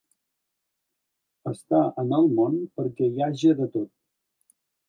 Estar en el món perquè hi haja de tot.